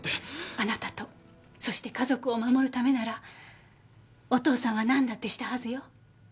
あなたとそして家族を守るためならお父さんは何だってしたはずよ。